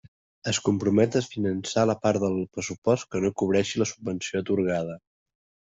Es compromet a finançar la part del pressupost que no cobreixi la subvenció atorgada.